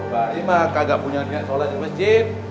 bah ini mah kagak punya niat sholat di masjid